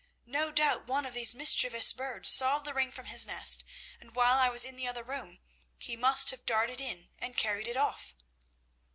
No doubt one of these mischievous birds saw the ring from his nest, and, while I was in the other room, he must have darted in and carried it off.'